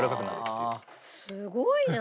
すごいな！